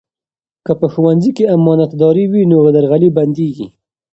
که په ښوونځي کې امانتداري وي، نو درغلي بندېږي.